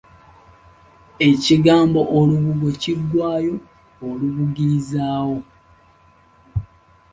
Ekigambo olubugo kiggwaayo Olubugirizaawo.